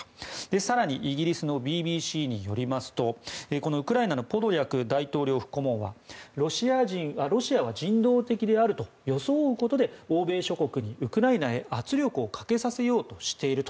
更に、イギリスのＢＢＣによりますとウクライナのポドリャク大統領府顧問はロシアが人道的であると装うことで欧米諸国にウクライナへ圧力をかけさせようとしていると。